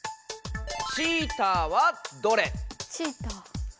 「チーターはどれ？」。